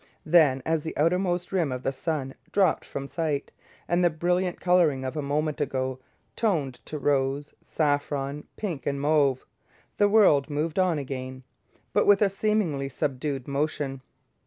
Then as the outermost rim of the sun dropped from sight, and the brilliant colouring of a moment ago toned to rose and saffron, pink and mauve, the world moved on again, but with a seemingly subdued motion.